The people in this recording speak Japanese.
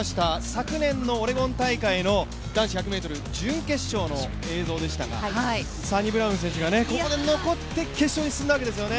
昨年のオレゴン大会の男子１００ｍ準決勝の映像でしたが、サニブラウン選手がここで残って、決勝に進んだわけですよね。